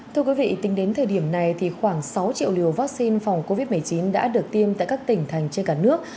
thưa quý vị tính đến thời điểm này thì khoảng sáu triệu liều vaccine phòng covid một mươi chín đã được tiêm tại các tỉnh thành trên cả nước